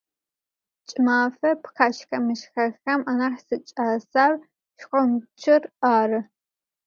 Чӏымафэ пхъэшъхьэ-мышъхьэхэм анахь сикӏасэр шхъомчыр ары.